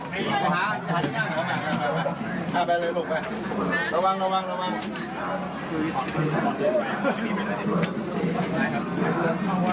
ไปหาหาที่นั่งออกมา